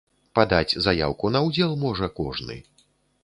Падаць заяўку на ўдзел можа кожны.